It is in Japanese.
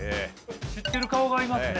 知ってる顔がいますね。